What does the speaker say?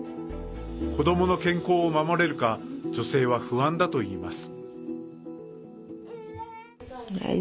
子どもの健康を守れるか女性は不安だといいます。